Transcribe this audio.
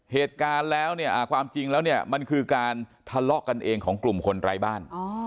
เหตุการณ์แล้วเนี่ยความจริงแล้วเนี่ยมันคือการทะเลาะกันเองของกลุ่มคนไร้บ้าน